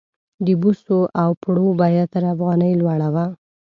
د بوسو او پړو بیه تر افغانۍ لوړه وه.